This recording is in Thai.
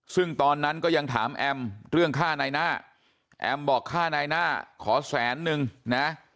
ซึ่งตอนนั้นก็ยังถามแอมเรื่องฆ่านายหน้าแอมบอกค่านายหน้าขอแสนนึงนะ